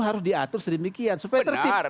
harus diatur sedemikian supaya tertib